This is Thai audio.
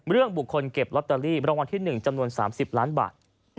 เรื่องบุคคลเก็บลอตเตอรี่รางวัลที่๑จำนวน๓๐ล้านบาท